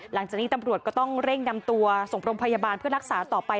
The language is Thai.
หลังจากนี้ตำรวจก็ต้องเร่งนำตัวส่งโรงพยาบาลเพื่อรักษาต่อไป